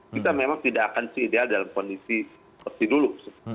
kita memang tidak akan seideal dalam kondisi seperti dulu